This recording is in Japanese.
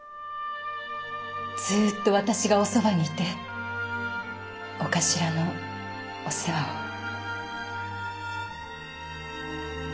ずっと私がおそばにいてお頭のお世話を。